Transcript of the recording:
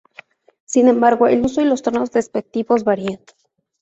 Sin embargo, el uso y los tonos despectivos varían.